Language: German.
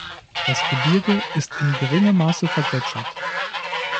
Das Gebirge ist in geringem Maße vergletschert.